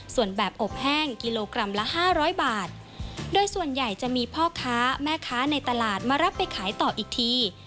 ส่วนแบบอบแห้งกิโลกรัมละห้าร้อยบาทโดยส่วนใหญ่จะมีพ่อค้าแม่ค้าในตลาดมารับไปขายต่ออีกที